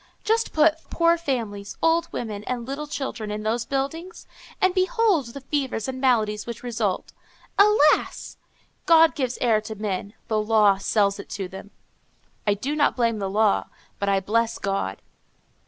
Just put poor families, old women and little children, in those buildings, and behold the fevers and maladies which result! Alas! God gives air to men; the law sells it to them. I do not blame the law, but I bless God.